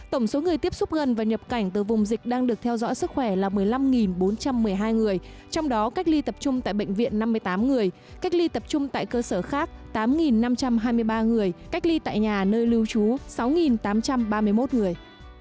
tổng số người tiếp xúc gần và nhập cảnh từ vùng dịch đang được theo dõi sức khỏe là một mươi năm bốn trăm một mươi hai người trong đó cách ly tập trung tại bệnh viện năm mươi tám người cách ly tập trung tại cơ sở khác tám năm trăm hai mươi ba người cách ly tại nhà nơi lưu trú sáu tám trăm ba mươi một người